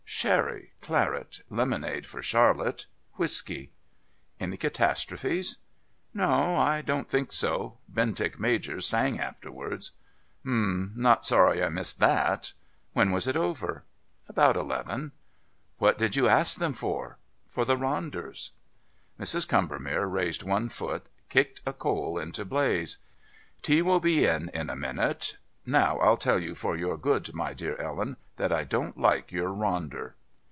"Sherry, claret, lemonade for Charlotte, whisky." "Any catastrophes?" "No, I don't think so. Bentinck Major sang afterwards." "Hum not sorry I missed that. When was it over?" "About eleven." "What did you ask them for?" "For the Ronders." Mrs. Combermere, raising one foot, kicked a coal into blaze. "Tea will be in in a minute.... Now, I'll tell you for your good, my dear Ellen, that I don't like your Ronder."